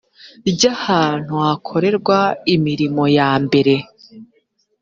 ry ahantu hakorerwa imirimo yambere